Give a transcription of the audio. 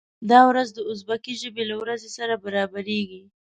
دا ورځ د ازبکي ژبې له ورځې سره برابریږي.